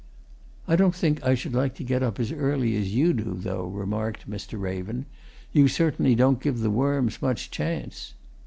"I don't think I should like to get up as early as you do, though," remarked Mr. Raven. "You certainly don't give the worms much chance!"